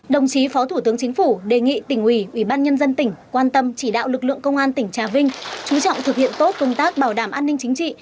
đồng chí phó thủ tướng chính phủ đề nghị tỉnh ủy ủy ban nhân dân tỉnh quan tâm chỉ đạo lực lượng công an tỉnh trà vinh